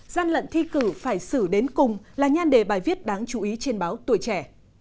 gian lận thi cử phải xử đến cùng là nhan đề bài viết đáng chú ý trên báo tuổi trẻ